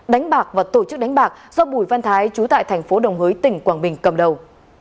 đánh bạc và tổ chức đánh bạc do bùi văn thái trú tại thành phố đồng hới tỉnh quảng bình cầm đầu